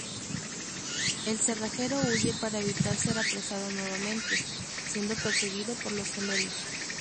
El Cerrajero huye para evitar ser apresado nuevamente, siendo perseguido por los Gemelos.